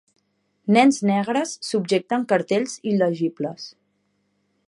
Nens negres subjecten cartells il·legibles.